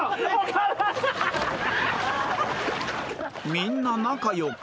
［みんな仲良く］